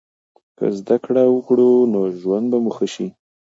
که زده کړه وکړو نو ژوند به مو ښه سي.